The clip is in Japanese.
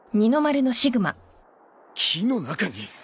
木の中に！